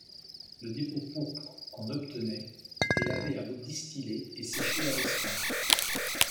Le dépôt pourpre qu'on obtenait était lavé à l'eau distillée et séché avec soin.